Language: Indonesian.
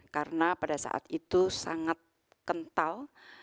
karena pada saat itu sangat kental